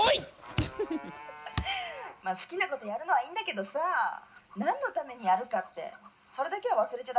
まあ好きなことやるのはいいんだけどさあ何のためにやるかってそれだけは忘れちゃダメだからね」。